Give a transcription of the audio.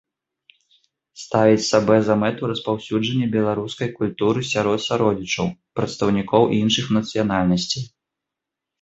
Ставіць сабе за мэту распаўсюджанне беларускай культуры сярод сародзічаў, прадстаўнікоў іншых нацыянальнасцей.